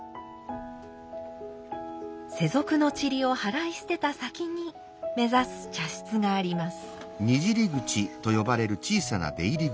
世俗のちりをはらい捨てた先に目指す茶室があります。